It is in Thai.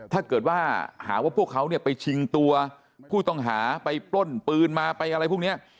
ถ้าเกิดว่าหาว่าพวกเขาเนี่ยไปชิงตัวผู้ต้องหาไปปล้นปืนมาไปอะไรพวกนี้